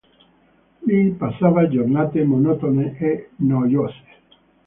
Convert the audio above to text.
Lì passava giornate monotone e noiose.